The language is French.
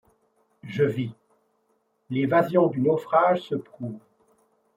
Je vis ! L'évasion du naufrage se prouve